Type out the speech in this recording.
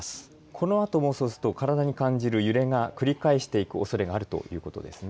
このあとも、そうすると体に感じる揺れが繰り返して起こるおそれがあるということですね。